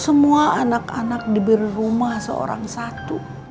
semua anak anak diberi rumah seorang satu